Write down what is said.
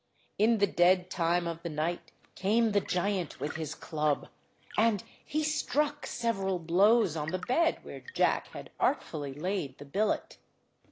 In the dead time of the night came the giant with his club, and he struck several blows on the bed where Jack had artfully laid the billet.